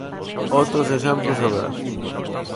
Outros exemplos haberá.